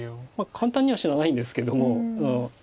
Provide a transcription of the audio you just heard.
簡単には死なないんですけども。